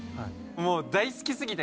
もう大好きすぎて。